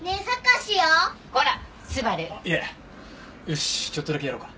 よしちょっとだけやろうか。